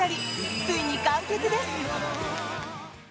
ついに完結です。